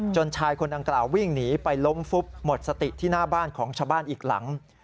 ชายคนดังกล่าววิ่งหนีไปล้มฟุบหมดสติที่หน้าบ้านของชาวบ้านอีกหลัง